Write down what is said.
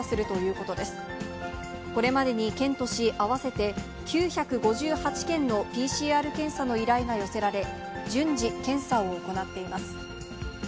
これまでに県と市合わせて９５８件のＰＣＲ検査の依頼が寄せられ、順次検査を行っています。